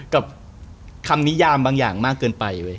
กับคำนิยามบางอย่างมากเกินไป